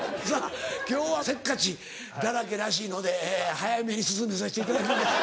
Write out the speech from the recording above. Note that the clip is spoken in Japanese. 今日はせっかちだらけらしいので早めに進めさせていただきます。